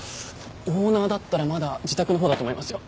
オーナーだったらまだ自宅のほうだと思いますよ。